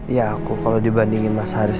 ya aku kalau dibandingin mas haris